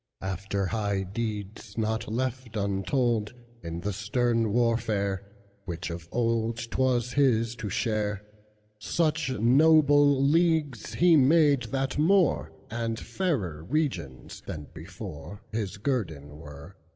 After high deeds, not left untold, In the stern warfare which of old'T was his to share, Such noble leagues he made that moreAnd fairer regions than beforeHis guerdon were.